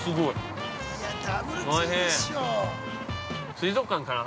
水族館かな。